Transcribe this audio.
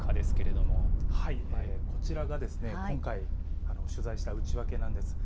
こちらが今回取材した内訳なんです。